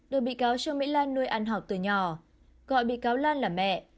được bị cáo trương mỹ lan nuôi ăn học từ nhỏ gọi bị cáo lan là mẹ